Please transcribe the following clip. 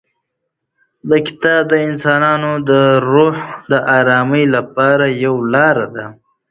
دا کتاب د انسان د روح د ارامۍ لپاره یوه لاره ده.